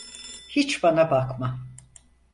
Hiç bana bakma.